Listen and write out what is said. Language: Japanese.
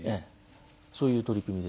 そういう取り組みで。